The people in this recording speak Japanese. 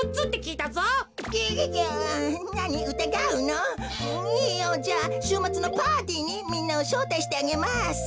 いいよ。じゃあしゅうまつのパーティーにみんなをしょうたいしてあげます。